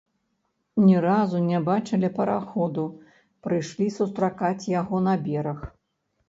Ні разу не бачылі параходу, прыйшлі сустракаць яго на бераг.